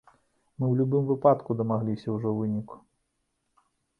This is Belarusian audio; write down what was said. Мы ў любым выпадку дамагліся ўжо выніку.